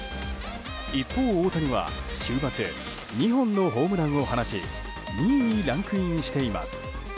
一方、大谷は週末２本のホームランを放ち２位にランクインしています。